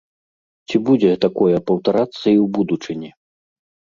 Ці будзе такое паўтарацца і ў будучыні?